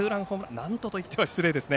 なんと、と言っては失礼ですね。